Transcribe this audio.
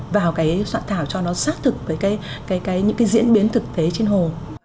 vào soạn thảo cho nó xác thực với những diễn biến thực tế trên hồ